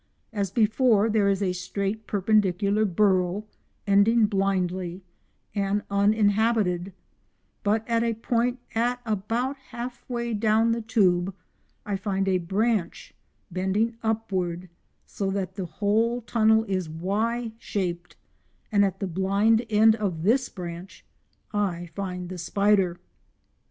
As before there is a straight perpendicular burrow, ending blindly, and uninhabited, but at a point at about half way down the tube I find a branch bending upward, so that the whole tunnel is +Y+ shaped, and at the blind end of this branch I find the spider.